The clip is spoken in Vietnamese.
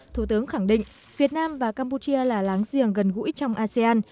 thủ tướng khẳng định việt nam và campuchia là láng giềng gần gũi trong asean